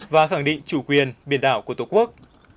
và khẳng định chủ quyền biển đảo của tổ quốc